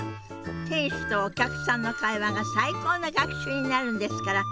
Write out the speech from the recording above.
店主とお客さんの会話が最高の学習になるんですから。